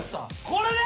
これだ！